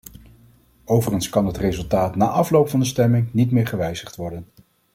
Overigens kan het resultaat na afloop van de stemming niet meer gewijzigd worden.